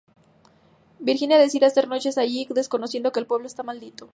Virginia decide hacer noche allí, desconociendo que el pueblo está maldito.